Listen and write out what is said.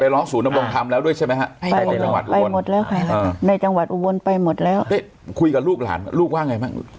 ลูกว่าอย่างไรแม่ง